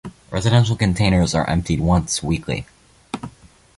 Residential containers are emptied once weekly.